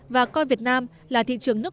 và coi việt nam là thị trường nước